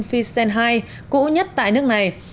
phi sen hai cũ nhất tại nước này